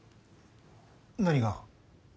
何が？